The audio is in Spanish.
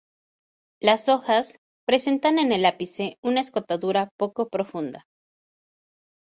Las hojas presentan en el ápice una escotadura poco profunda.